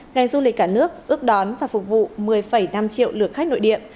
ngành du lịch cả nước ước đón và phục vụ một mươi năm triệu lượng khách nổi địa